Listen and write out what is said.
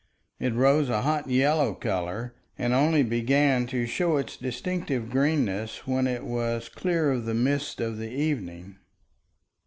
It rose a hot yellow color, and only began to show its distinctive greenness when it was clear of the mists of the evening.